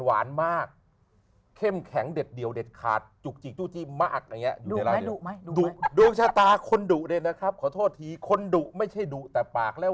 อันเนี่ยไม่ใช่ดุนะครับ